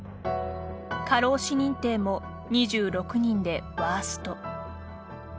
過労死認定も２６人でワースト。